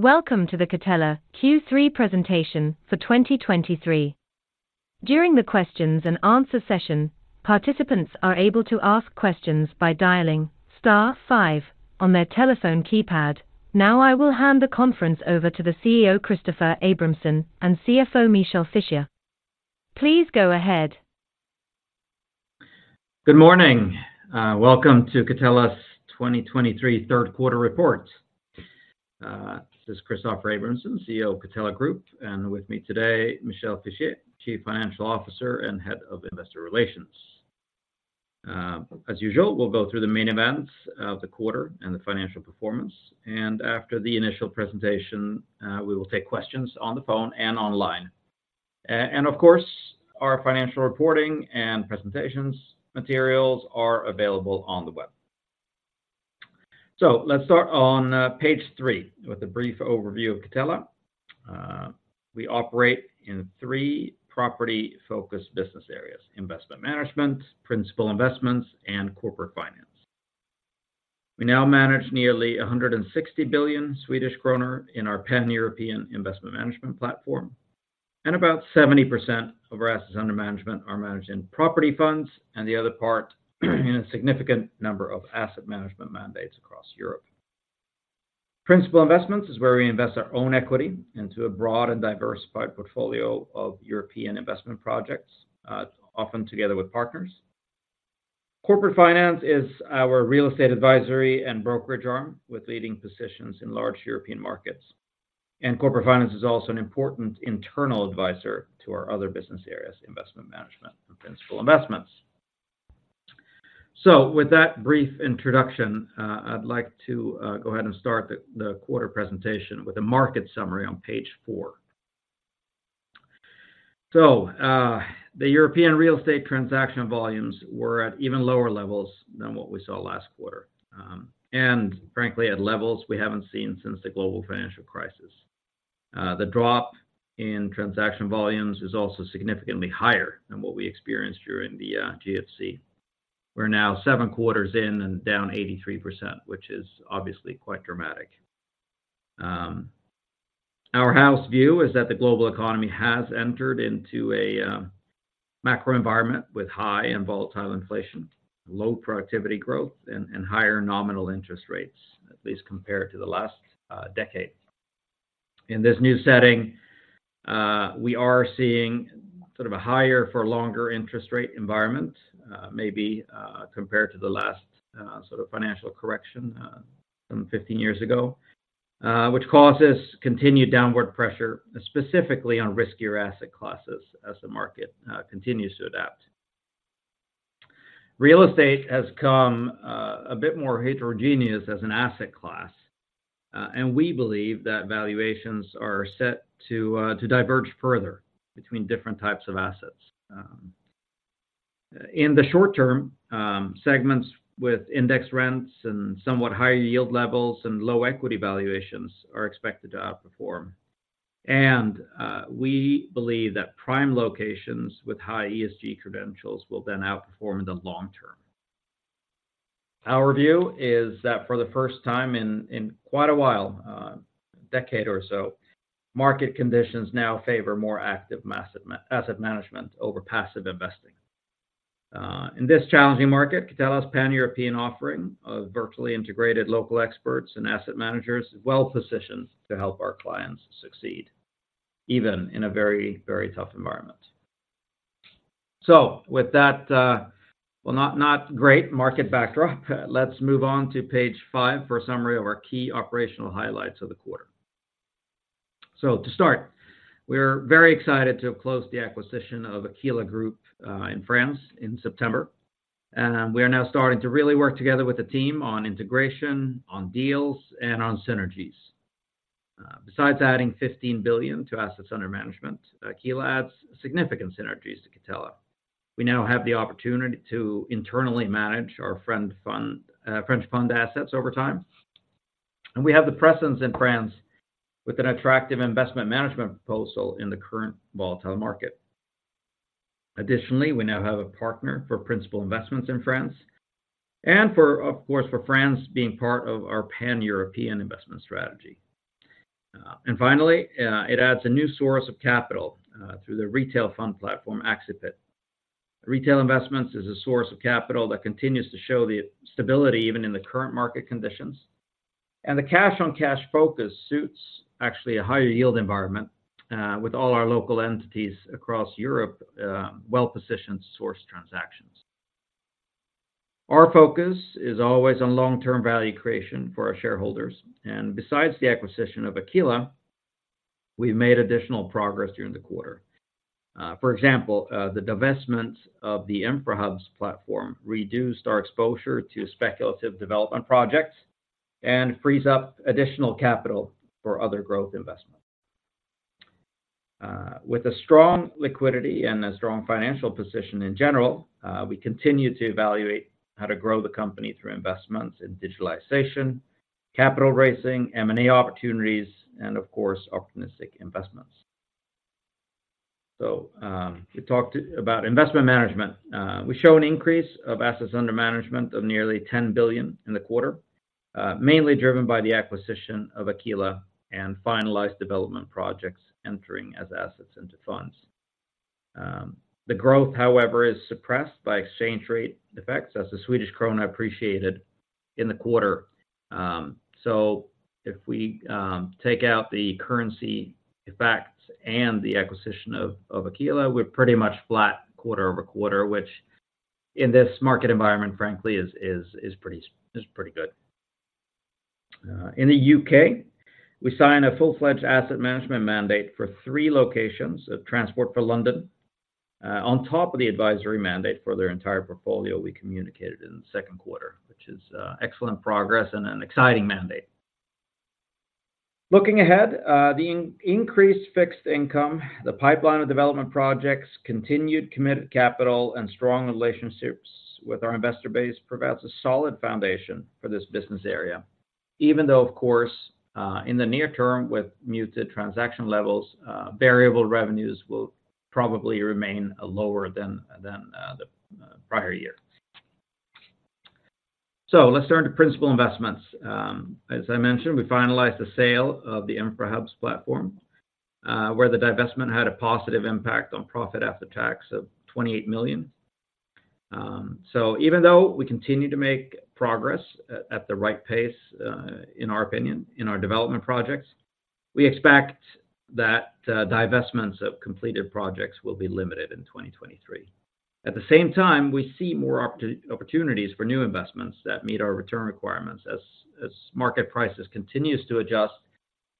Welcome to the Catella Q3 presentation for 2023. During the questions and answer session, participants are able to ask questions by dialing star five on their telephone keypad. Now, I will hand the conference over to the CEO, Christoffer Abramson, and CFO, Michel Fischer. Please go ahead. Good morning. Welcome to Catella's 2023 third quarter report. This is Christoffer Abramson, CEO of Catella Group, and with me today, Michel Fischier, Chief Financial Officer and Head of Investor Relations. As usual, we'll go through the main events of the quarter and the financial performance, and after the initial presentation, we will take questions on the phone and online. And of course, our financial reporting and presentations materials are available on the web. So let's start on page three with a brief overview of Catella. We operate in three property-focused business areas: Investment Management, Principal Investments, and Corporate Finance. We now manage nearly 160 billion Swedish kronor in our pan-European Investment Management platform, and about 70% of our assets under management are managed in property funds, and the other part in a significant number of asset management mandates across Europe. Principal Investments is where we invest our own equity into a broad and diversified portfolio of European investment projects, often together with partners. Corporate Finance is our real estate advisory and brokerage arm, with leading positions in large European markets. And Corporate Finance is also an important internal advisor to our other business areas, Investment Management, and Principal Investments. So with that brief introduction, I'd like to go ahead and start the quarter presentation with a market summary on page four. So, the European real estate transaction volumes were at even lower levels than what we saw last quarter, and frankly, at levels we haven't seen since the global financial crisis. The drop in transaction volumes is also significantly higher than what we experienced during the GFC. We're now seven quarters in and down 83%, which is obviously quite dramatic. Our house view is that the global economy has entered into a macro environment with high and volatile inflation, low productivity growth, and higher nominal interest rates, at least compared to the last decade. In this new setting, we are seeing sort of a higher for longer interest rate environment, maybe, compared to the last, sort of financial correction, some 15 years ago, which causes continued downward pressure, specifically on riskier asset classes as the market continues to adapt. Real estate has come a bit more heterogeneous as an asset class, and we believe that valuations are set to to diverge further between different types of assets. In the short-term, segments with index rents and somewhat higher yield levels and low equity valuations are expected to outperform. And we believe that prime locations with high ESG credentials will then outperform in the long-term. Our view is that for the first time in quite a while, a decade or so, market conditions now favor more active asset management over passive investing. In this challenging market, Catella's pan-European offering of vertically integrated local experts and asset managers is well-positioned to help our clients succeed, even in a very, very tough environment. Well, not great market backdrop, let's move on to page five for a summary of our key operational highlights of the quarter. To start, we're very excited to have closed the acquisition of Aquila Group in France in September. And we are now starting to really work together with the team on integration, on deals, and on synergies. Besides adding 15 billion to assets under management, Aquila adds significant synergies to Catella. We now have the opportunity to internally manage our French fund assets over time, and we have the presence in France with an attractive Investment Management proposal in the current volatile market. Additionally, we now have a partner for principal investments in France and for, of course, for France being part of our pan-European investment strategy. And finally, it adds a new source of capital through the retail fund platform, Axipit. Retail investments is a source of capital that continues to show the stability even in the current market conditions, and the cash-on-cash focus suits actually a higher yield environment with all our local entities across Europe well-positioned to source transactions. Our focus is always on long-term value creation for our shareholders, and besides the acquisition of Aquila, we've made additional progress during the quarter. For example, the divestment of the Infrahubs platform reduced our exposure to speculative development projects and frees up additional capital for other growth investments. With a strong liquidity and a strong financial position in general, we continue to evaluate how to grow the company through investments in digitalization, capital raising, M&A opportunities, and of course, opportunistic investments. So, we talked about Investment Management. We show an increase of assets under management of nearly 10 billion in the quarter, mainly driven by the acquisition of Aquila and finalized development projects entering as assets into funds. The growth, however, is suppressed by exchange rate effects, as the Swedish krona appreciated in the quarter. So if we take out the currency effects and the acquisition of Aquila, we're pretty much flat quarter-over-quarter, which, in this market environment, frankly, is pretty good. In the U.K., we signed a full-fledged asset management mandate for three locations of Transport for London, on top of the advisory mandate for their entire portfolio we communicated in the second quarter, which is excellent progress and an exciting mandate. Looking ahead, the increased fixed income, the pipeline of development projects, continued committed capital, and strong relationships with our investor base provides a solid foundation for this business area, even though, of course, in the near-term, with muted transaction levels, variable revenues will probably remain lower than the prior year. So let's turn to Principal Investments. As I mentioned, we finalized the sale of the Infrahubs platform, where the divestment had a positive impact on profit after tax of 28 million. So even though we continue to make progress at the right pace, in our opinion, in our development projects, we expect that divestments of completed projects will be limited in 2023. At the same time, we see more opportunities for new investments that meet our return requirements as market prices continues to adjust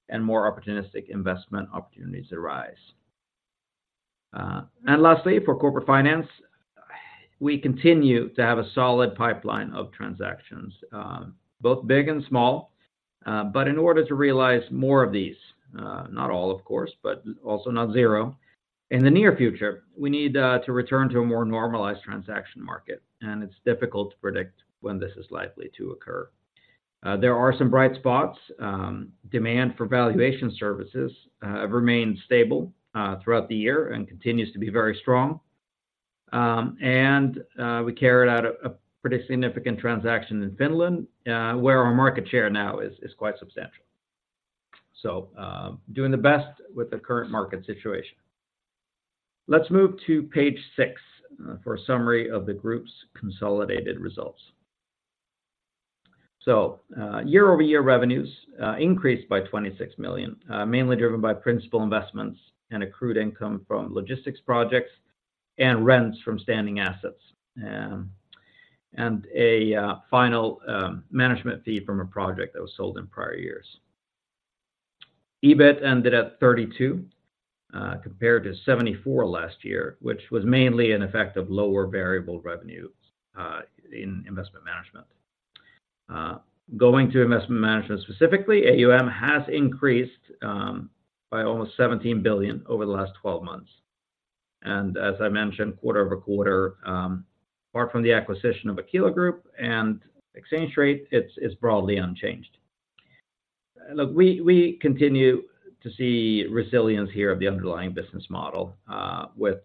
and more opportunistic investment opportunities arise. And lastly, for Corporate Finance, we continue to have a solid pipeline of transactions, both big and small. But in order to realize more of these, not all, of course, but also not zero, in the near future, we need to return to a more normalized transaction market, and it's difficult to predict when this is likely to occur. There are some bright spots. Demand for valuation services have remained stable throughout the year and continues to be very strong. And we carried out a pretty significant transaction in Finland, where our market share now is quite substantial. So, doing the best with the current market situation. Let's move to page six for a summary of the group's consolidated results. So, year-over-year revenues increased by 26 million, mainly driven by principal investments and accrued income from logistics projects and rents from standing assets, and a final management fee from a project that was sold in prior years. EBIT ended at 32 million, compared to 74 million last year, which was mainly an effect of lower variable revenues in Investment Management. Going to Investment Management specifically, AUM has increased by almost 17 billion over the last 12 months, and as I mentioned, quarter-over-quarter, apart from the acquisition of Aquila Group and exchange rate, it's broadly unchanged. Look, we continue to see resilience here of the underlying business model, with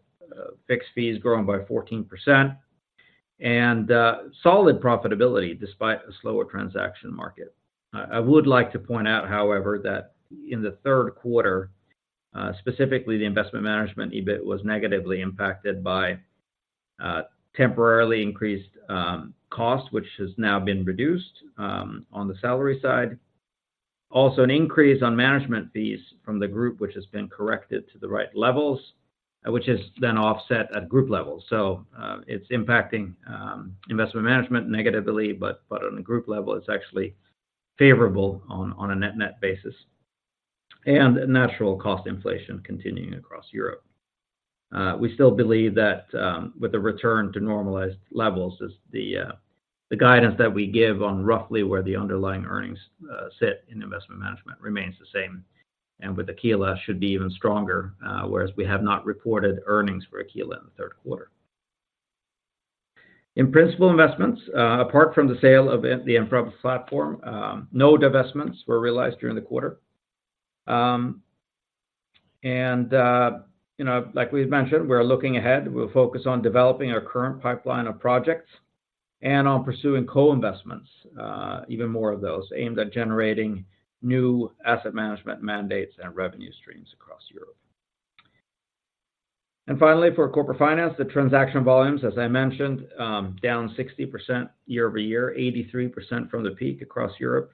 fixed fees growing by 14% and solid profitability despite a slower transaction market. I would like to point out, however, that in the third quarter, specifically the Investment Management, EBIT was negatively impacted by, temporarily increased, costs, which has now been reduced, on the salary side. Also, an increase on management fees from the group, which has been corrected to the right levels, which is then offset at group level. So, it's impacting, Investment Management negatively, but on a group level, it's actually favorable on a net net basis, and natural cost inflation continuing across Europe. We still believe that, with the return to normalized levels, is the, the guidance that we give on roughly where the underlying earnings, sit in Investment Management remains the same, and with Aquila, should be even stronger, whereas we have not reported earnings for Aquila in the third quarter. In Principal Investments, apart from the sale of the Infrahubs platform, no divestments were realized during the quarter. And, you know, like we've mentioned, we're looking ahead. We'll focus on developing our current pipeline of projects and on pursuing co-investments, even more of those, aimed at generating new asset management mandates and revenue streams across Europe. And finally, for Corporate Finance, the transaction volumes, as I mentioned, down 60% year-over-year, 83% from the peak across Europe,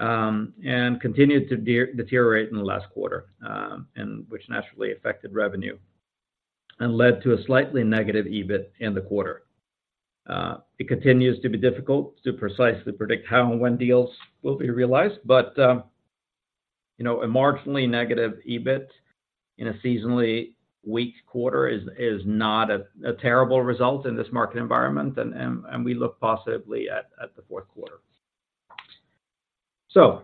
and continued to deteriorate in the last quarter, and which naturally affected revenue and led to a slightly negative EBIT in the quarter. It continues to be difficult to precisely predict how and when deals will be realized, but, you know, a marginally negative EBIT in a seasonally weak quarter is not a terrible result in this market environment, and we look positively at the fourth quarter. So,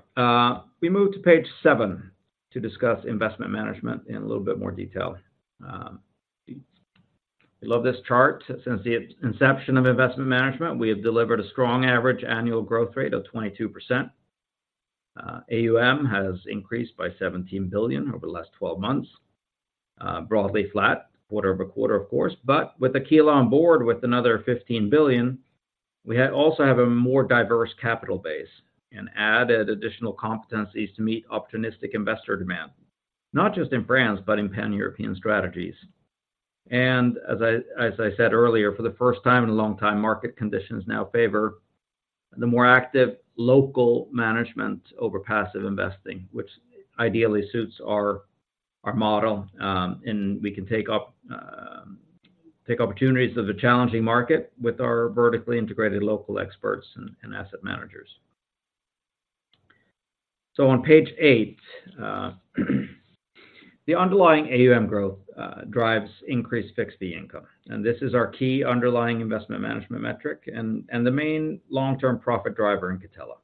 we move to page seven to discuss Investment Management in a little bit more detail. We love this chart. Since the inception of Investment Management, we have delivered a strong average annual growth rate of 22%. AUM has increased by 17 billion over the last 12 months, broadly flat quarter-over-quarter, of course, but with Aquila on board, with another 15 billion, we also have a more diverse capital base and added additional competencies to meet opportunistic investor demand, not just in France, but in pan-European strategies. And as I said earlier, for the first time in a long time, market conditions now favor the more active local management over passive investing, which ideally suits our model, and we can take opportunities of a challenging market with our vertically integrated local experts and asset managers. So on page eight, the underlying AUM growth drives increased fixed fee income, and this is our key underlying Investment Management metric and the main long-term profit driver in Catella.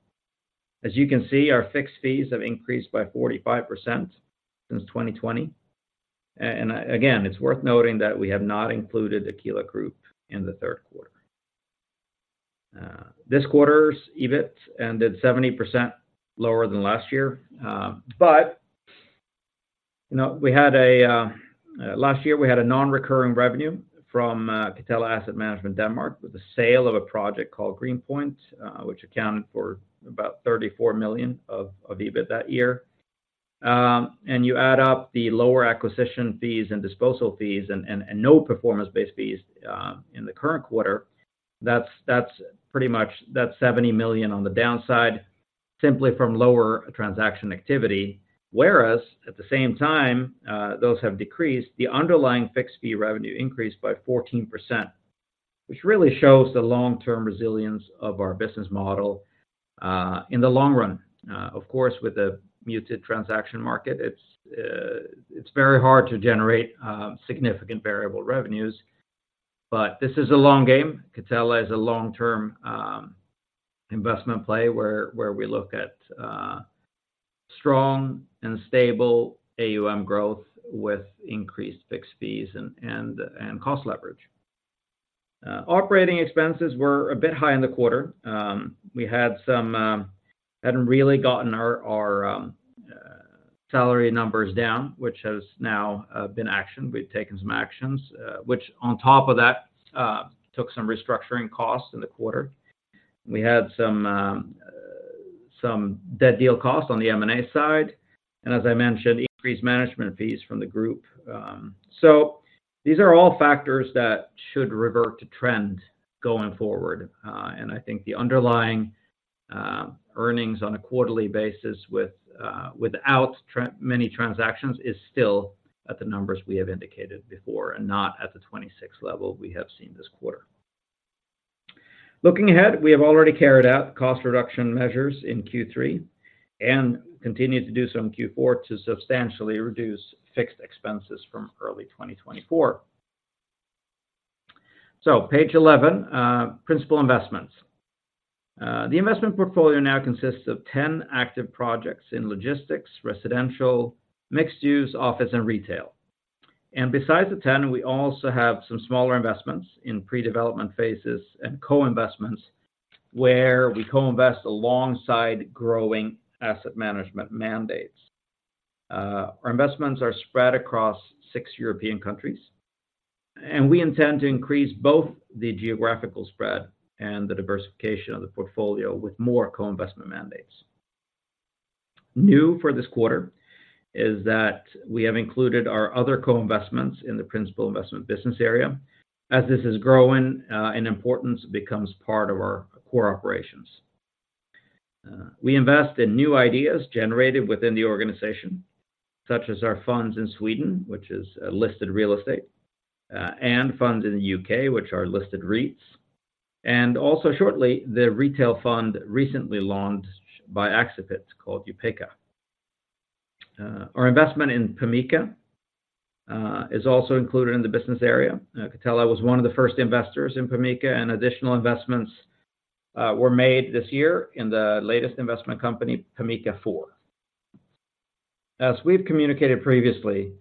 As you can see, our fixed fees have increased by 45% since 2020. And again, it's worth noting that we have not included Aquila Group in the third quarter. This quarter's EBIT ended 70% lower than last year, but, you know, we had a last year, we had a non-recurring revenue from Catella Asset Management Denmark, with the sale of a project called GreenPoint, which accounted for about 34 million of EBIT that year. And you add up the lower acquisition fees and disposal fees and no performance-based fees in the current quarter, that's pretty much... that's 70 million on the downside, simply from lower transaction activity. Whereas at the same time, those have decreased, the underlying fixed fee revenue increased by 14%, which really shows the long-term resilience of our business model in the long run. Of course, with a muted transaction market, it's very hard to generate significant variable revenues, but this is a long game. Catella is a long-term investment play where we look at strong and stable AUM growth with increased fixed fees and cost leverage. Operating expenses were a bit high in the quarter. We hadn't really gotten our salary numbers down, which has now been actioned. We've taken some actions, which on top of that took some restructuring costs in the quarter. We had some dead deal costs on the M&A side, and as I mentioned, increased management fees from the group. So these are all factors that should revert to trend going forward. And I think the underlying earnings on a quarterly basis, without many transactions, is still at the numbers we have indicated before, and not at the 26 level we have seen this quarter. Looking ahead, we have already carried out cost reduction measures in Q3 and continued to do so in Q4 to substantially reduce fixed expenses from early 2024. So page 11, Principal Investments. The investment portfolio now consists of 10 active projects in logistics, residential, mixed use, office, and retail. And besides the 10, we also have some smaller investments in pre-development phases and co-investments, where we co-invest alongside growing asset management mandates. Our investments are spread across six European countries, and we intend to increase both the geographical spread and the diversification of the portfolio with more co-investment mandates. New for this quarter is that we have included our other co-investments in the principal investment business area. As this is growing in importance, it becomes part of our core operations. We invest in new ideas generated within the organization, such as our funds in Sweden, which is listed real estate, and funds in the U.K., which are listed REITs, and also shortly, the retail fund recently launched by Axipit, called Upêka. Our investment in Pamica is also included in the business area. Catella was one of the first investors in Pamica, and additional investments were made this year in the latest investment company, Pamica 4. As we've communicated previously,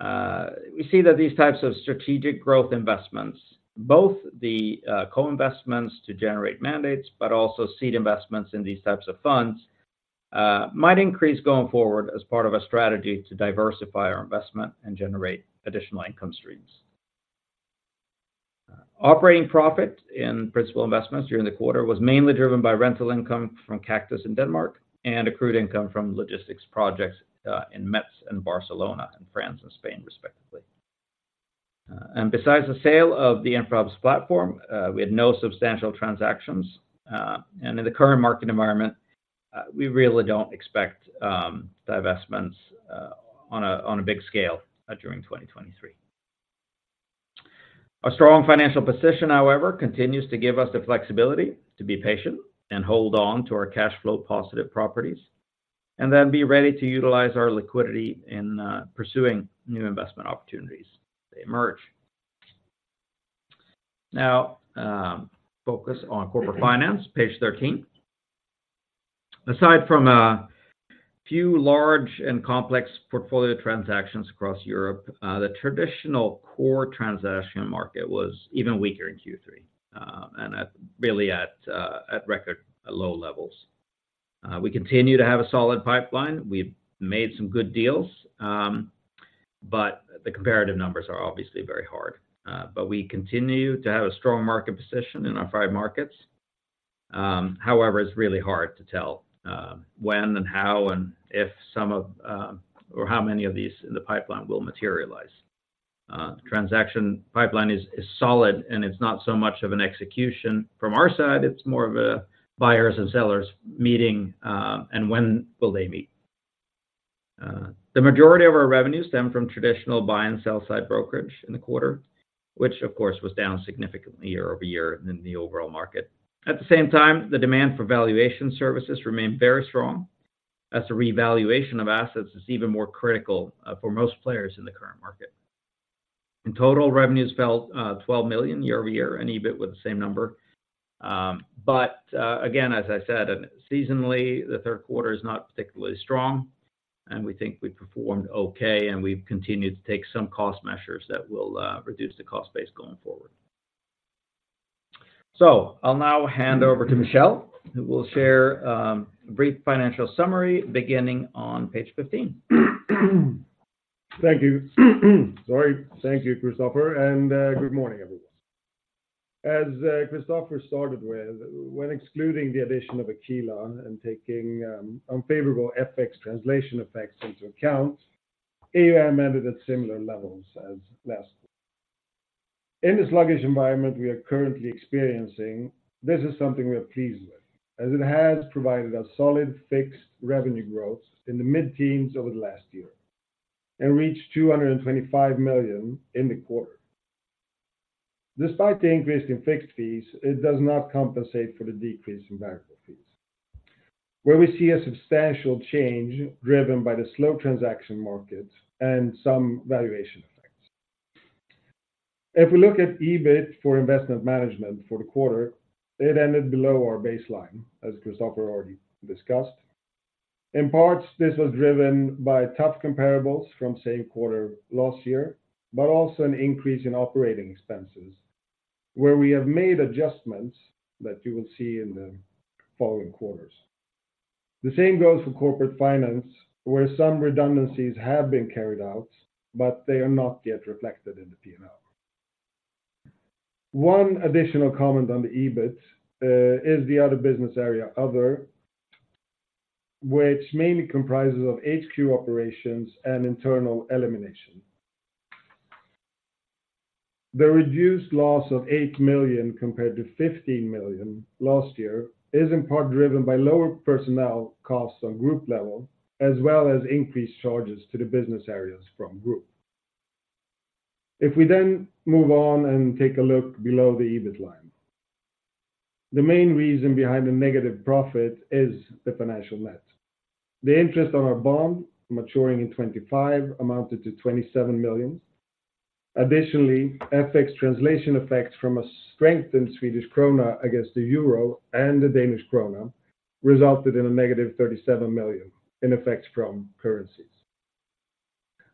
we see that these types of strategic growth investments, both the co-investments to generate mandates, but also seed investments in these types of funds, might increase going forward as part of a strategy to diversify our investment and generate additional income streams. Operating profit in Principal Investments during the quarter was mainly driven by rental income from Kaktus in Denmark and accrued income from logistics projects in Metz and Barcelona, in France and Spain, respectively. Besides the sale of the Infrahubs platform, we had no substantial transactions, and in the current market environment, we really don't expect divestments on a big scale during 2023. Our strong financial position, however, continues to give us the flexibility to be patient and hold on to our cash flow positive properties, and then be ready to utilize our liquidity in pursuing new investment opportunities as they emerge. Now, focus on Corporate Finance, page 13. Aside from a few large and complex portfolio transactions across Europe, the traditional core transaction market was even weaker in Q3. And at record low levels. We continue to have a solid pipeline. We've made some good deals, but the comparative numbers are obviously very hard. But we continue to have a strong market position in our five markets. However, it's really hard to tell when and how, and if some of, or how many of these in the pipeline will materialize. Transaction pipeline is solid, and it's not so much of an execution from our side, it's more of a buyers and sellers meeting, and when will they meet? The majority of our revenue stemmed from traditional buy and sell-side brokerage in the quarter, which of course, was down significantly year-over-year than the overall market. At the same time, the demand for valuation services remained very strong, as the revaluation of assets is even more critical for most players in the current market. In total, revenues fell 12 million year-over-year, and EBIT with the same number. But again, as I said, seasonally, the third quarter is not particularly strong, and we think we performed okay, and we've continued to take some cost measures that will reduce the cost base going forward. So I'll now hand over to Michel, who will share a brief financial summary beginning on page 15. Thank you. Sorry. Thank you, Christoffer, and good morning, everyone. As Christoffer started with, when excluding the addition of Aquila and taking unfavorable FX translation effects into account, AUM ended at similar levels as last year. In this sluggish environment we are currently experiencing, this is something we are pleased with, as it has provided a solid fixed revenue growth in the mid-teens over the last year and reached 225 million in the quarter. Despite the increase in fixed fees, it does not compensate for the decrease in variable fees, where we see a substantial change driven by the slow transaction market and some valuation effects. If we look at EBIT for Investment Management for the quarter, it ended below our baseline, as Christoffer already discussed. In parts, this was driven by tough comparables from same quarter last year, but also an increase in operating expenses, where we have made adjustments that you will see in the following quarters. The same goes for Corporate Finance, where some redundancies have been carried out, but they are not yet reflected in the P&L. One additional comment on the EBIT is the other business area, other, which mainly comprises of HQ operations and internal elimination. The reduced loss of 8 million, compared to 15 million last year, is in part driven by lower personnel costs on group level, as well as increased charges to the business areas from group. If we then move on and take a look below the EBIT line, the main reason behind the negative profit is the financial net. The interest on our bond, maturing in 2025, amounted to 27 million. Additionally, FX translation effects from a strengthened Swedish krona against the euro and the Danish krona resulted in a negative 37 million in effects from currencies.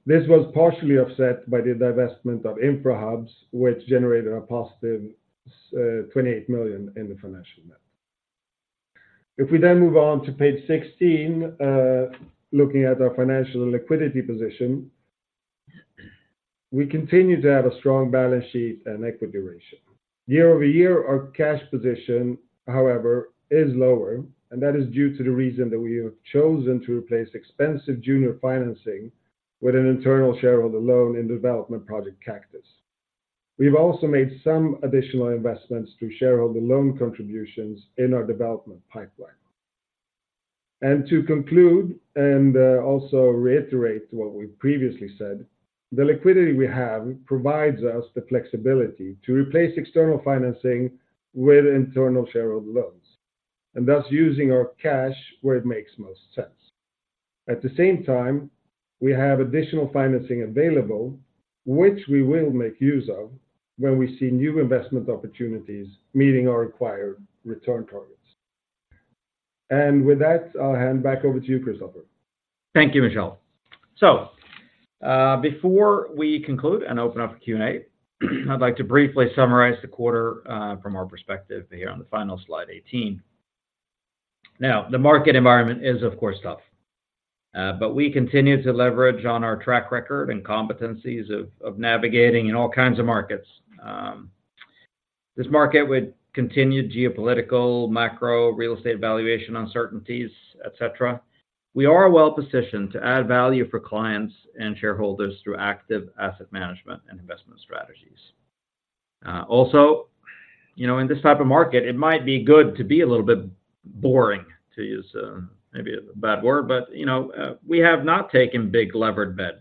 This was partially offset by the divestment of Infrahubs, which generated a positive 28 million in the financial net. If we then move on to page 16, looking at our financial and liquidity position, we continue to have a strong balance sheet and equity ratio. Year-over-year, our cash position, however, is lower, and that is due to the reason that we have chosen to replace expensive junior financing with an internal shareholder loan in development project Kaktus. We've also made some additional investments through shareholder loan contributions in our development pipeline. To conclude and also reiterate what we previously said, the liquidity we have provides us the flexibility to replace external financing with internal shareholder loans, and thus using our cash where it makes most sense. At the same time, we have additional financing available, which we will make use of when we see new investment opportunities meeting our required return targets. With that, I'll hand back over to you, Christoffer. Thank you, Michel. So, before we conclude and open up for Q&A, I'd like to briefly summarize the quarter from our perspective here on the final slide 18. Now, the market environment is of course tough, but we continue to leverage on our track record and competencies of navigating in all kinds of markets. This market with continued geopolitical, macro, real estate valuation uncertainties, et cetera, we are well-positioned to add value for clients and shareholders through active asset management and investment strategies. Also, you know, in this type of market, it might be good to be a little bit boring, to use maybe a bad word, but, you know, we have not taken big levered bets.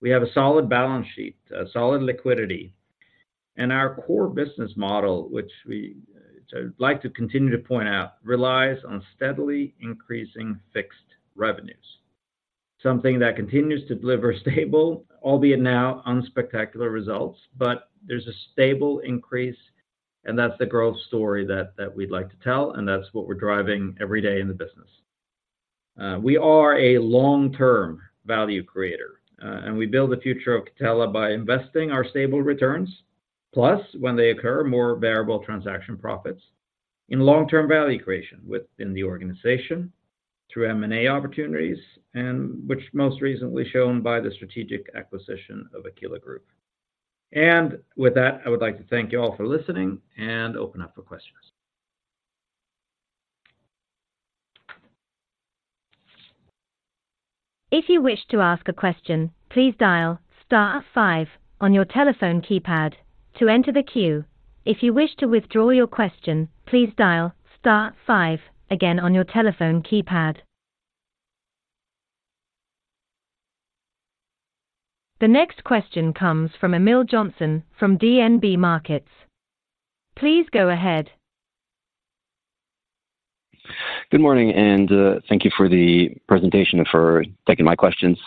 We have a solid balance sheet, a solid liquidity, and our core business model, which we like to continue to point out, relies on steadily increasing fixed revenues. Something that continues to deliver stable, albeit now unspectacular results, but there's a stable increase, and that's the growth story that, that we'd like to tell, and that's what we're driving every day in the business. We are a long-term value creator, and we build the future of Catella by investing our stable returns, plus, when they occur, more variable transaction profits in long-term value creation within the organization through M&A opportunities, and which most recently shown by the strategic acquisition of Aquila Group. And with that, I would like to thank you all for listening and open up for questions. If you wish to ask a question, please dial star five on your telephone keypad to enter the queue. If you wish to withdraw your question, please dial star five again on your telephone keypad. The next question comes from Emil Jonsson, from DNB Markets. Please go ahead. Good morning, and thank you for the presentation and for taking my questions.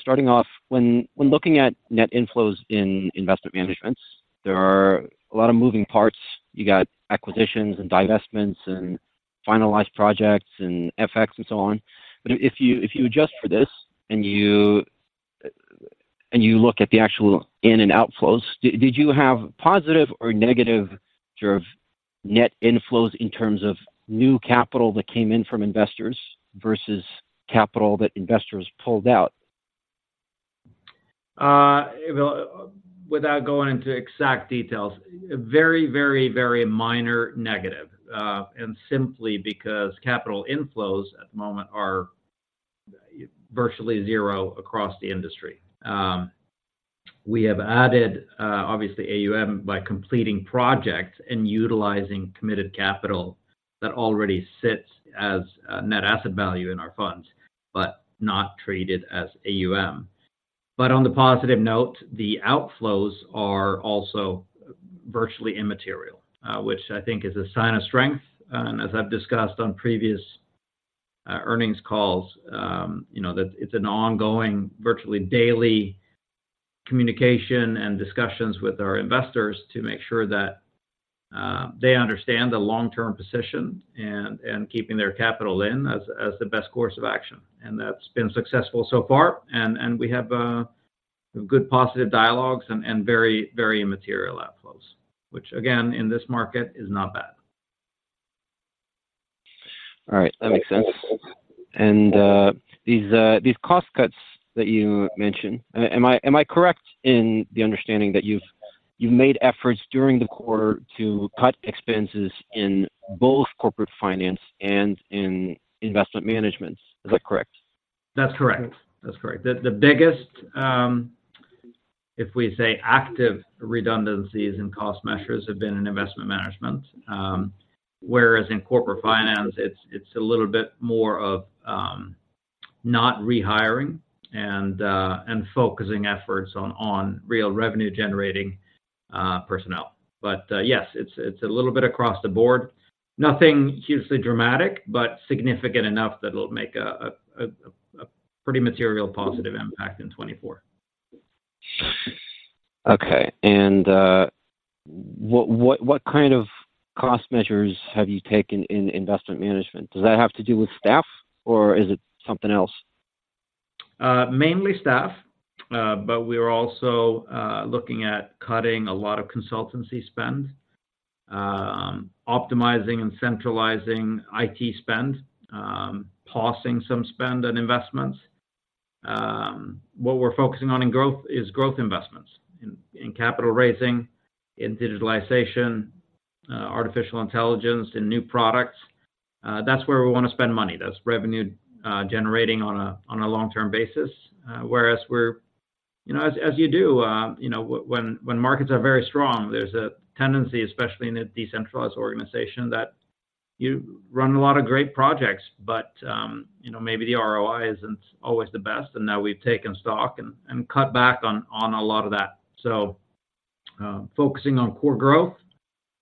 Starting off, when looking at net inflows in Investment Managements, there are a lot of moving parts. You got acquisitions and divestments, and finalized projects, and FX, and so on. But if you adjust for this and you look at the actual in and outflows, did you have positive or negative sort of net inflows in terms of new capital that came in from investors versus capital that investors pulled out? Well, without going into exact details, a very, very, very minor negative. And simply because capital inflows at the moment are virtually zero across the industry. We have added, obviously AUM by completing projects and utilizing committed capital that already sits as net asset value in our funds, but not treated as AUM. But on the positive note, the outflows are also virtually immaterial, which I think is a sign of strength. And as I've discussed on previous earnings calls, you know, that it's an ongoing, virtually daily communication and discussions with our investors to make sure that they understand the long-term position and, and keeping their capital in as the best course of action. And that's been successful so far, and we have good positive dialogues and very, very immaterial outflows, which again, in this market is not bad. All right. That makes sense. And, these cost cuts that you mentioned, am I correct in the understanding that you've made efforts during the quarter to cut expenses in both Corporate Finance and in Investment Management? Is that correct? That's correct. That's correct. The biggest, if we say, active redundancies and cost measures have been in Investment Management, whereas in Corporate Finance, it's a little bit more of not rehiring and focusing efforts on real revenue-generating personnel. But yes, it's a little bit across the board. Nothing hugely dramatic, but significant enough that it'll make a pretty material positive impact in 2024. Okay. And, what kind of cost measures have you taken in Investment Management? Does that have to do with staff or is it something else? Mainly staff, but we're also looking at cutting a lot of consultancy spend, optimizing and centralizing IT spend, pausing some spend on investments. What we're focusing on in growth is growth investments, in capital raising, in digitalization, artificial intelligence, in new products. That's where we want to spend money. That's revenue generating on a long-term basis. Whereas we're... You know, as you do, you know, when markets are very strong, there's a tendency, especially in a decentralized organization, that you run a lot of great projects, but you know, maybe the ROI isn't always the best, and now we've taken stock and cut back on a lot of that. So, focusing on core growth,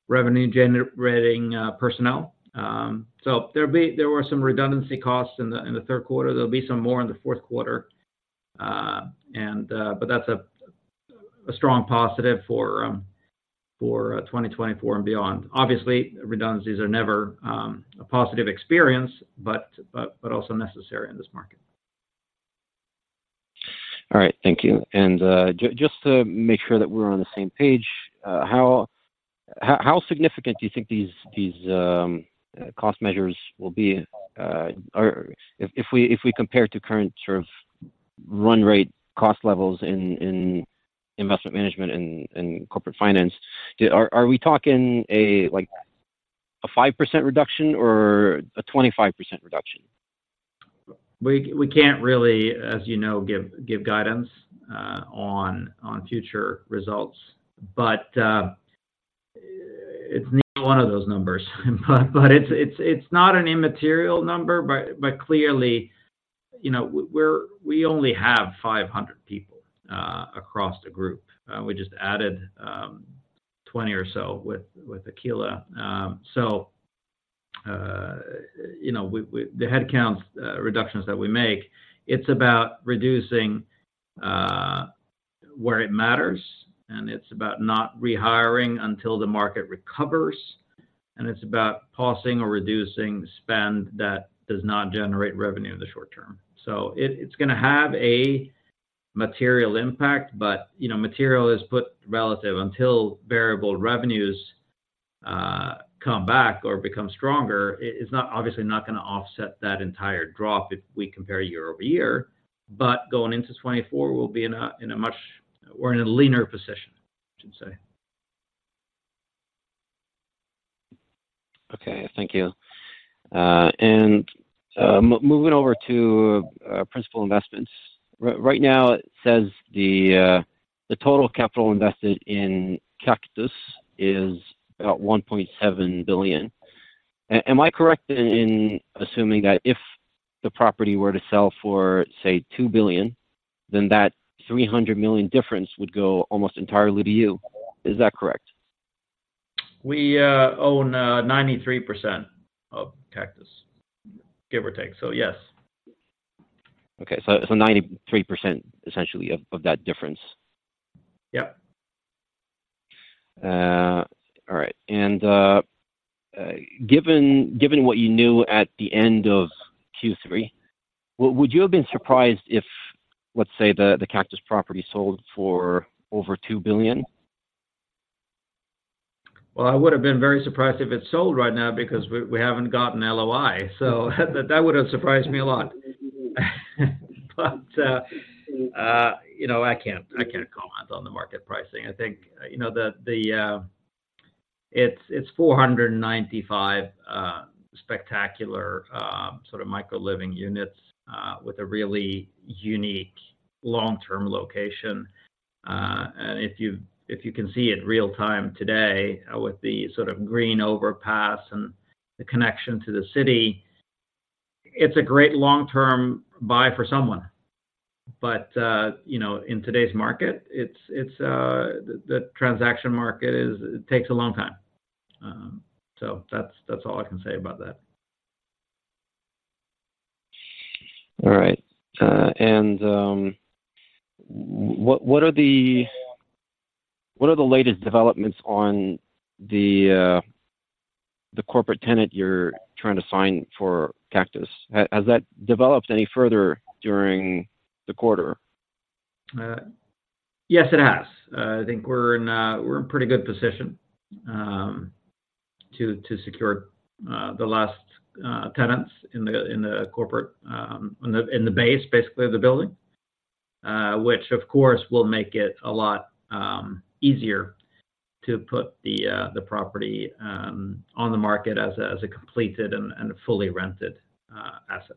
revenue-generating personnel. So there were some redundancy costs in the third quarter. There'll be some more in the fourth quarter. But that's a strong positive for 2024 and beyond. Obviously, redundancies are never a positive experience, but also necessary in this market. All right. Thank you. And, just to make sure that we're on the same page, how significant do you think these cost measures will be? Or if we compare to current sort of run rate cost levels in Investment Management and Corporate Finance, are we talking like a 5% reduction or a 25% reduction? We can't really, as you know, give guidance on future results, but it's one of those numbers. But it's not an immaterial number, but clearly, you know, we only have 500 people across the group. We just added 20 or so with Aquila. So, you know, with the headcount reductions that we make, it's about reducing where it matters, and it's about not rehiring until the market recovers, and it's about pausing or reducing spend that does not generate revenue in the short-term. So it's gonna have a material impact, but, you know, material is put relative. Until variable revenues come back or become stronger, it's obviously not gonna offset that entire drop if we compare year-over-year, but going into 2024, we'll be in a much leaner position, I should say. Okay, thank you. Moving over to Principal Investments. Right now, it says the total capital invested in Kaktus is about 1.7 billion. Am I correct in assuming that if the property were to sell for, say, 2 billion, then that 300 million difference would go almost entirely to you? Is that correct? We own 93% of Kaktus, give or take, so yes. Okay, so, so 93% essentially of, of that difference? Yeah. All right. And, given what you knew at the end of Q3, would you have been surprised if, let's say, the Kaktus property sold for over 2 billion? Well, I would have been very surprised if it sold right now because we haven't gotten LOI, so that would have surprised me a lot. But, you know, I can't comment on the market pricing. I think, you know, the... It's 495 spectacular sort of micro living units with a really unique long-term location. And if you can see it real-time today with the sort of green overpass and the connection to the city, it's a great long-term buy for someone. But, you know, in today's market, it's the transaction market is, it takes a long time. So that's all I can say about that. All right. What are the latest developments on the corporate tenant you're trying to sign for Kaktus? Has that developed any further during the quarter? Yes, it has. I think we're in pretty good position to secure the last tenants in the corporate base, basically, of the building, which, of course, will make it a lot easier to put the property on the market as a completed and a fully rented asset.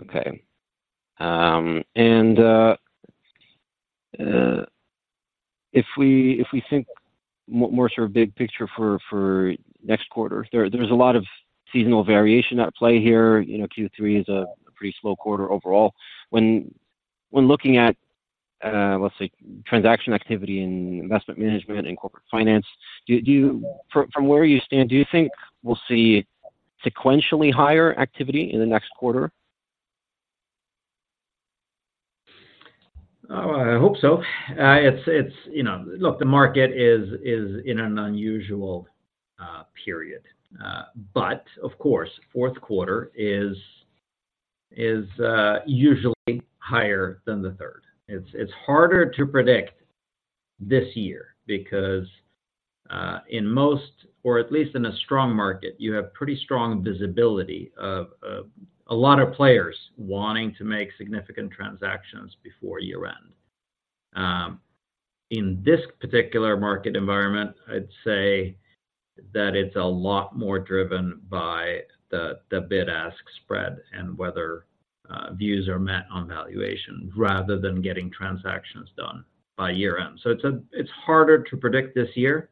Okay. And if we think more sort of big picture for next quarter, there's a lot of seasonal variation at play here. You know, Q3 is a pretty slow quarter overall. When looking at, let's say, transaction activity in Investment Management and Corporate Finance, do you, from where you stand, do you think we'll see sequentially higher activity in the next quarter? I hope so. It's you know... Look, the market is in an unusual period. But, of course, fourth quarter is usually higher than the third. It's harder to predict this year because in most, or at least in a strong market, you have pretty strong visibility of a lot of players wanting to make significant transactions before year-end. In this particular market environment, I'd say that it's a lot more driven by the bid-ask spread and whether views are met on valuation rather than getting transactions done by year-end. So it's harder to predict this year,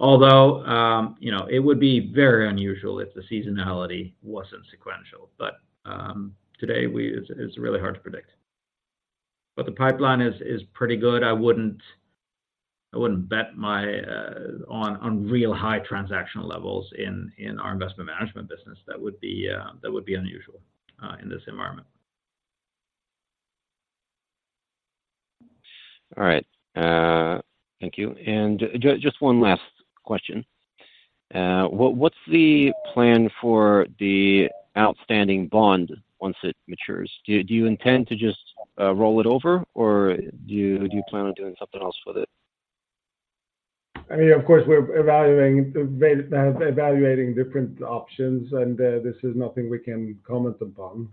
although you know, it would be very unusual if the seasonality wasn't sequential. But today, it's really hard to predict. But the pipeline is pretty good. I wouldn't bet my on real high transactional levels in our Investment Management business. That would be unusual in this environment. All right. Thank you. And just one last question. What's the plan for the outstanding bond once it matures? Do you intend to just roll it over, or do you plan on doing something else with it? I mean, of course, we're evaluating different options, and this is nothing we can comment upon.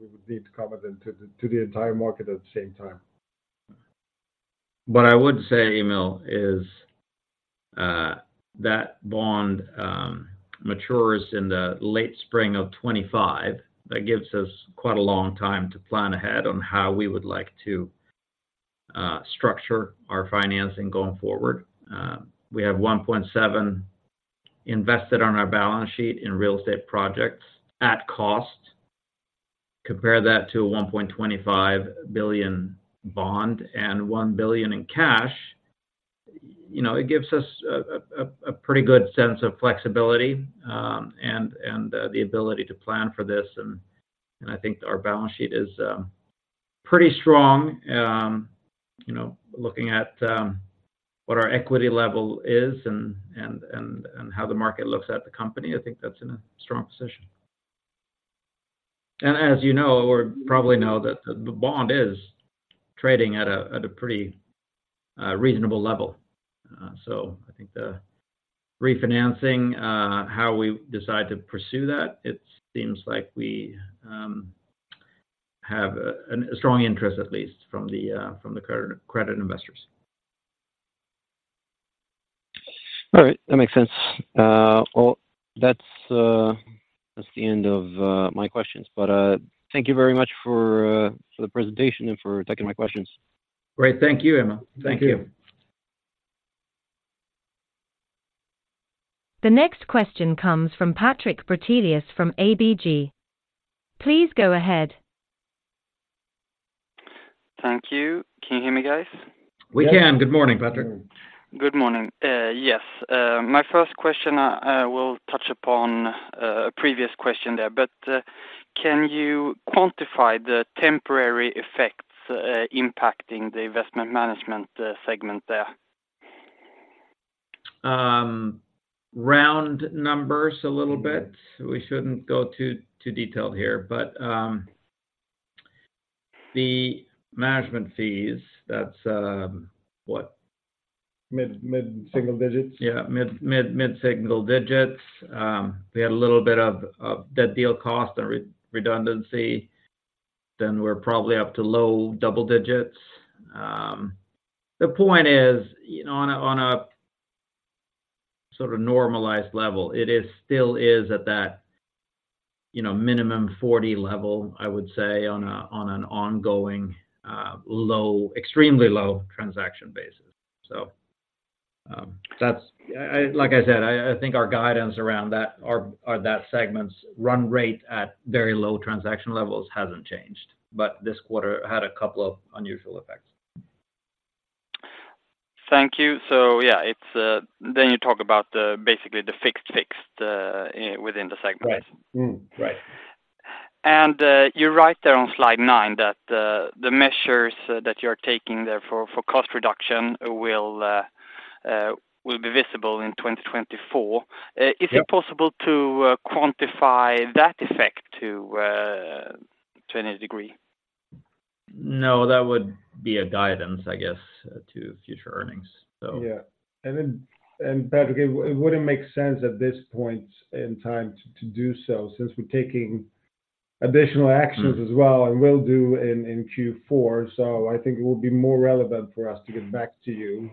We would need to comment it to the entire market at the same time. What I would say, Emil, is that bond matures in the late spring of 2025. That gives us quite a long time to plan ahead on how we would like to structure our financing going forward. We have 1.7 billion invested on our balance sheet in real estate projects at cost. Compare that to a 1.25 billion bond and 1 billion in cash... you know, it gives us a pretty good sense of flexibility, and the ability to plan for this. And I think our balance sheet is pretty strong. You know, looking at what our equity level is and how the market looks at the company, I think that's in a strong position. As you know, or probably know, that the bond is trading at a pretty reasonable level. I think the refinancing, how we decide to pursue that, it seems like we have a strong interest, at least from the credit investors. All right, that makes sense. Well, that's the end of my questions. But thank you very much for the presentation and for taking my questions. Great. Thank you, Emil. The next question comes from Patrik Brattelius from ABG. Please go ahead. Thank you. Can you hear me, guys? We can. Good morning, Patrik. Good morning. Yes, my first question will touch upon a previous question there, but can you quantify the temporary effects impacting the Investment Management segment there? Round numbers a little bit. We shouldn't go too, too detailed here, but, the management fees, that's, what? Mid, mid-single digits. Yeah, mid-single digits. We had a little bit of that deal cost and redundancy, then we're probably up to low double digits. The point is, you know, on a sort of normalized level, it still is at that, you know, minimum 40 level, I would say, on an ongoing, low, extremely low transaction basis. So, that's, like I said, I think our guidance around that or that segment's run rate at very low transaction levels hasn't changed, but this quarter had a couple of unusual effects. Thank you. So yeah, it's. Then you talk about basically the fixed within the segment. Right. Mm-hmm. Right. You're right there on slide nine that the measures that you're taking there for cost reduction will be visible in 2024. Yeah. Is it possible to quantify that effect to any degree? No, that would be a guidance, I guess, to future earnings, so. Yeah. And then, Patrik, it wouldn't make sense at this point in time to do so, since we're taking additional actions as well, and will do in Q4. So I think it will be more relevant for us to get back to you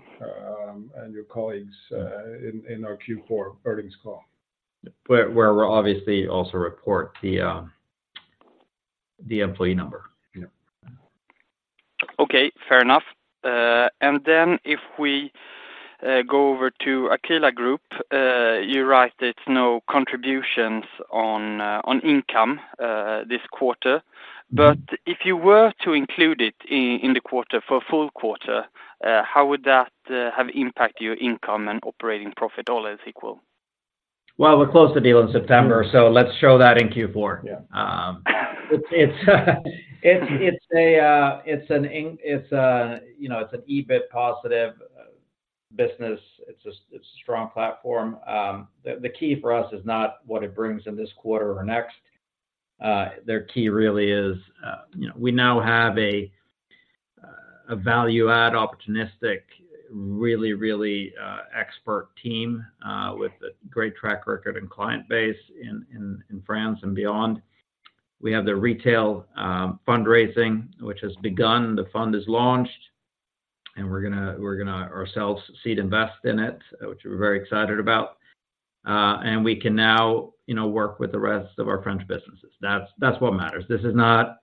and your colleagues in our Q4 earnings call. Where, where we're obviously also report the employee number. Yeah. Okay, fair enough. And then if we go over to Aquila Group, you write it's no contributions on income this quarter. Mm-hmm. But if you were to include it in the quarter for a full quarter, how would that have impacted your income and operating profit all else equal? Well, we closed the deal in September, so let's show that in Q4. Yeah. It's, you know, it's an EBIT positive business. It's a strong platform. The key for us is not what it brings in this quarter or next. Their key really is, you know, we now have a value add opportunistic, really expert team with a great track record and client base in France and beyond. We have the retail fundraising, which has begun. The fund is launched, and we're gonna ourselves seed invest in it, which we're very excited about. And we can now, you know, work with the rest of our French businesses. That's what matters. This is not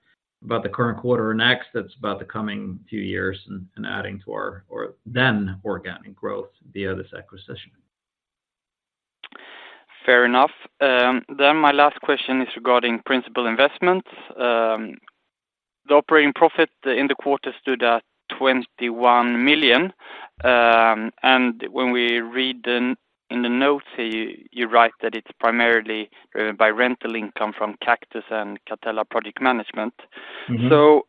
about the current quarter or next. It's about the coming two years and adding to our organic growth via this acquisition. Fair enough. Then my last question is regarding Principal Investments. The operating profit in the quarter stood at 21 million, and when we read in the notes, you write that it's primarily by rental income from Kaktus and Catella Project Management. Mm-hmm. So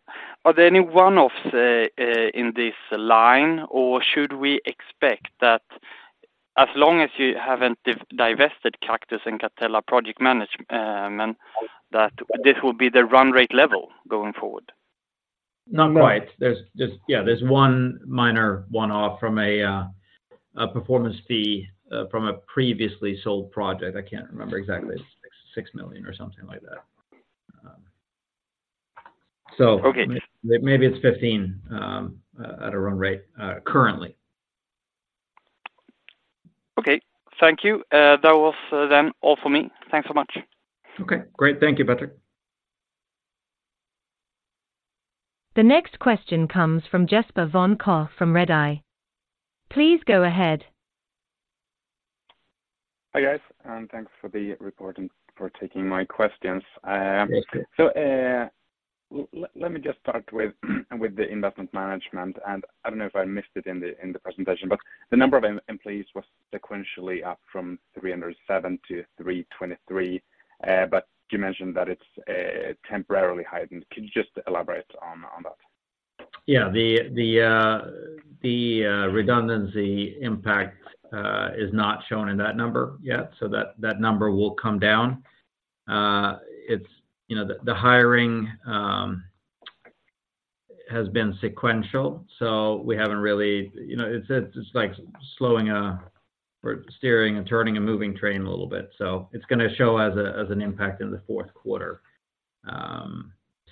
are there any one-offs in this line, or should we expect that as long as you haven't divested Kaktus and Catella Project Management, that this will be the run rate level going forward? Not quite. There's just... Yeah, there's one minor one-off from a performance fee from a previously sold project. I can't remember exactly. It's 6 million or something like that. So- Okay. Maybe it's 15 million, at a run rate, currently. Okay. Thank you. That was then all for me. Thanks so much. Okay, great. Thank you, Patrik. The next question comes from Jesper von Koch from Redeye. Please go ahead. Hi, guys, and thanks for the report and for taking my questions. So, let me just start with the Investment Management, and I don't know if I missed it in the presentation, but the number of employees was sequentially up from 307 to 323. But you mentioned that it's temporarily heightened. Could you just elaborate on that? Yeah. The redundancy impact is not shown in that number yet, so that number will come down. It's you know, the hiring has been sequential, so we haven't really... You know, it's, like, slowing or steering and turning a moving train a little bit, so it's gonna show as an impact in the fourth quarter.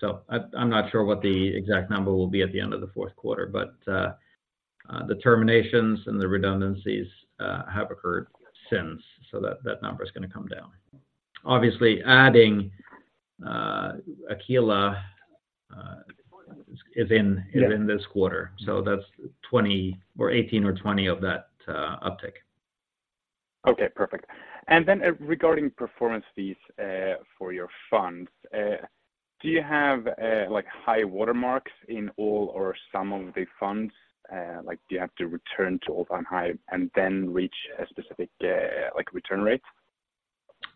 So I'm not sure what the exact number will be at the end of the fourth quarter, but the terminations and the redundancies have occurred since, so that number is gonna come down. Obviously, adding Aquila is in- Yeah is in this quarter, so that's 20 or 18 or 20 of that uptick. Okay, perfect. Regarding performance fees, for your funds, do you have, like, high watermarks in all or some of the funds? Like, do you have to return to all-time high and then reach a specific, like, return rate?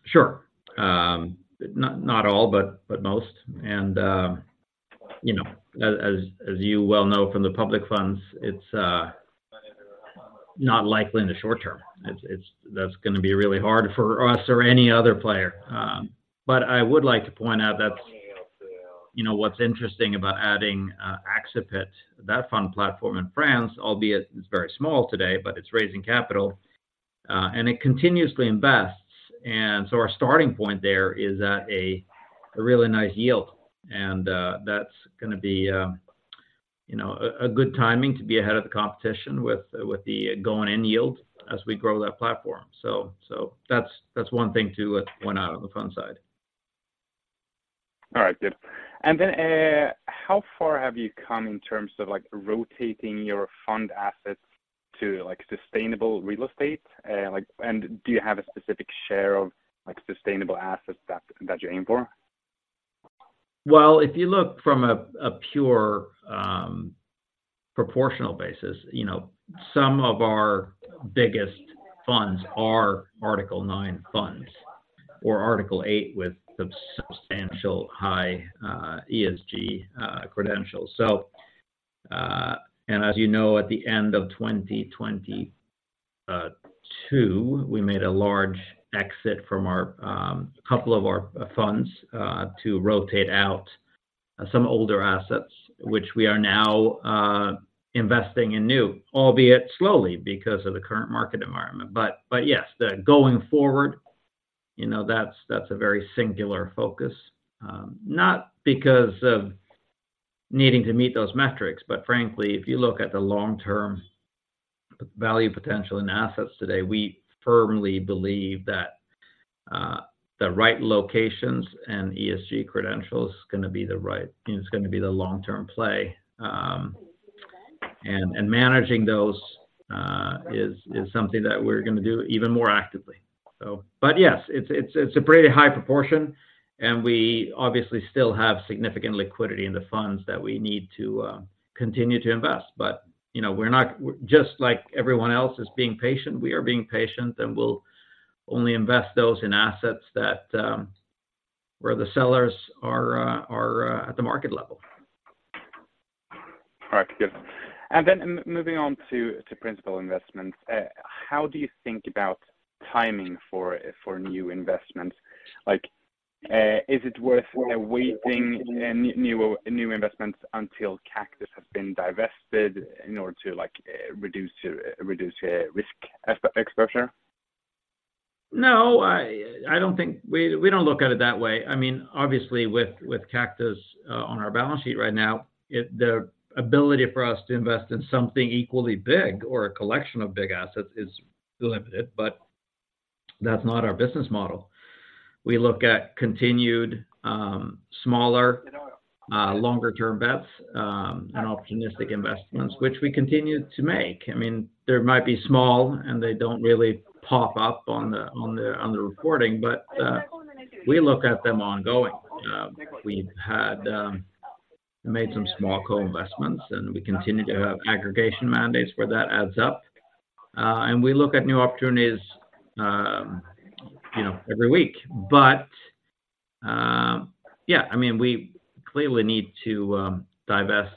Sure. Not all, but most. And, you know, as you well know from the public funds, it's not likely in the short-term. It's, that's gonna be really hard for us or any other player. But I would like to point out that, you know, what's interesting about adding Axipit, that fund platform in France, albeit it's very small today, but it's raising capital and it continuously invests. And so our starting point there is at a really nice yield. And that's gonna be, you know, a good timing to be ahead of the competition with the going-in yield as we grow that platform. So that's one thing to point out on the fund side. All right, good. And then, how far have you come in terms of, like, rotating your fund assets to, like, sustainable real estate? Like, and do you have a specific share of, like, sustainable assets that you aim for? Well, if you look from a pure proportional basis, you know, some of our biggest funds are Article 9 funds or Article 8 with substantial high ESG credentials. So, and as you know, at the end of 2022, we made a large exit from our couple of our funds to rotate out some older assets, which we are now investing in new, albeit slowly, because of the current market environment. But yes, going forward, you know, that's a very singular focus, not because of needing to meet those metrics, but frankly, if you look at the long-term value potential in assets today, we firmly believe that the right locations and ESG credentials is gonna be the right, is gonna be the long-term play. Managing those is something that we're gonna do even more actively. So but yes, it's a pretty high proportion, and we obviously still have significant liquidity in the funds that we need to continue to invest. But, you know, we're not, just like everyone else is being patient, we are being patient, and we'll only invest those in assets that where the sellers are at the market level. All right, good. And then moving on to Principal Investments, how do you think about timing for new investments? Like, is it worth awaiting new investments until Kaktus has been divested in order to, like, reduce your risk exposure? No, I don't think. We don't look at it that way. I mean, obviously, with Kaktus on our balance sheet right now, it, the ability for us to invest in something equally big or a collection of big assets is limited, but that's not our business model. We look at continued smaller longer-term bets and opportunistic investments, which we continue to make. I mean, there might be small, and they don't really pop up on the reporting, but we look at them ongoing. We've made some small co-investments, and we continue to have aggregation mandates where that adds up. And we look at new opportunities, you know, every week. But yeah, I mean, we clearly need to divest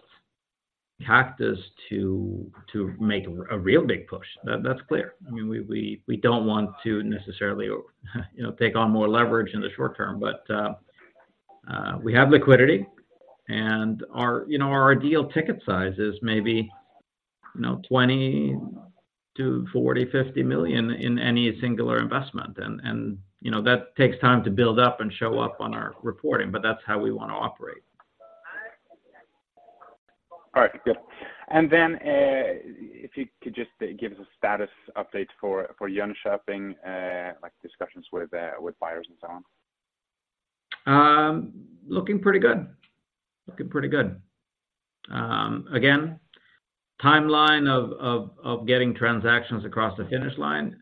Kaktus to make a real big push. That's clear. I mean, we don't want to necessarily, you know, take on more leverage in the short-term. But, we have liquidity and our, you know, our ideal ticket size is maybe, you know, 20 million-40 million, 50 million in any singular investment. And, you know, that takes time to build up and show up on our reporting, but that's how we want to operate. All right, good. And then, if you could just give us a status update for Jönköping, like discussions with buyers and so on. Looking pretty good. Looking pretty good. Again, timeline of getting transactions across the finish line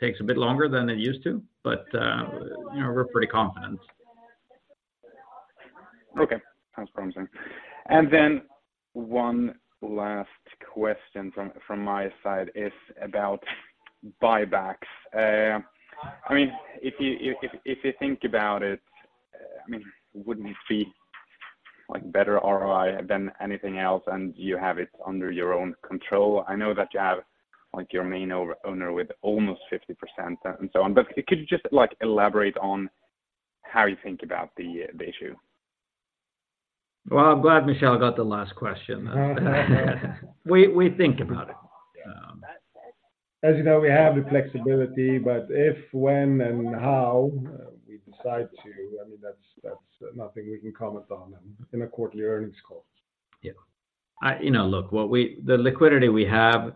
takes a bit longer than it used to, but you know, we're pretty confident. Okay, that's promising. Then one last question from my side is about buybacks. I mean, if you think about it, I mean, wouldn't it be, like, better ROI than anything else, and you have it under your own control? I know that you have, like, your main owner with almost 50% and so on, but could you just, like, elaborate on how you think about the issue? Well, I'm glad Michel got the last question. We think about it. As you know, we have the flexibility, but if, when, and how we decide to, I mean, that's, that's nothing we can comment on in a quarterly earnings call. Yeah. You know, look, the liquidity we have,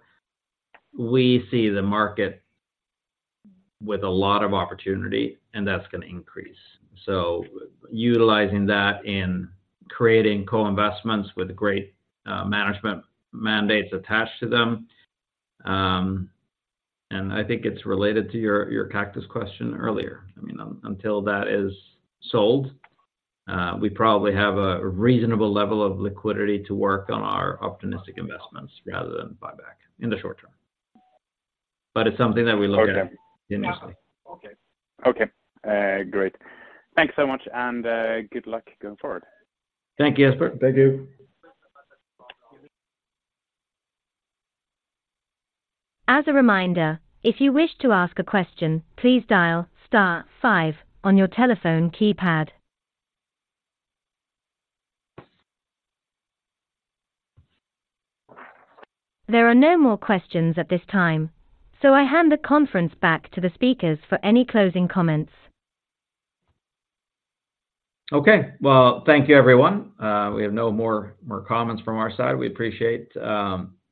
we see the market with a lot of opportunity, and that's gonna increase. So utilizing that in creating co-investments with great management mandates attached to them. And I think it's related to your Kaktus question earlier. I mean, until that is sold, we probably have a reasonable level of liquidity to work on our opportunistic investments rather than buyback in the short-term. But it's something that we look at continuously. Okay. Okay, great. Thanks so much, and good luck going forward. Thank you, Jesper. Thank you. As a reminder, if you wish to ask a question, please dial star five on your telephone keypad. There are no more questions at this time, so I hand the conference back to the speakers for any closing comments. Okay. Well, thank you, everyone. We have no more comments from our side. We appreciate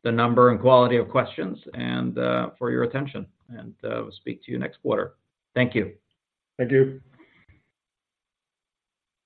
the number and quality of questions and for your attention, and we'll speak to you next quarter. Thank you. Thank you.